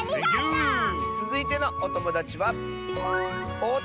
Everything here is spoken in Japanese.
つづいてのおともだちは。